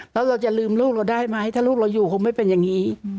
แล้วเราจะลืมลูกเราได้ไหมถ้าลูกเราอยู่คงไม่เป็นอย่างนี้